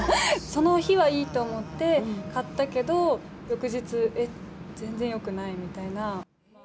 その日はいいと思って買ったけど、翌日、え、全然よくないみたいな。